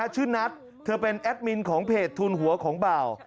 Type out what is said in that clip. ชื่อนัทเธอเป็นแอดมินของเพจทุนหัวของบ่าว